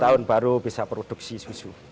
tahun baru bisa produksi susu